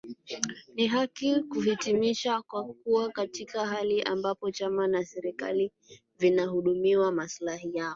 Ni haki kuhitimisha kuwa katika hali ambapo chama na serikali vinahudumia maslahi yao